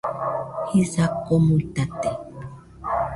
Jisa komuitate